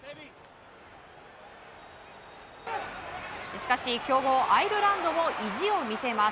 しかし強豪アイルランドも意地を見せます。